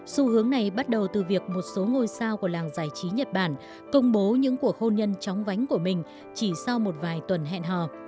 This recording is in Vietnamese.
xu hướng này bắt đầu từ việc một số ngôi sao của làng giải trí nhật bản công bố những cuộc hôn nhân chóng vánh của mình chỉ sau một vài tuần hẹn hò